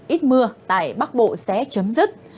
ít mưa tại bắc bộ sẽ chấm dứt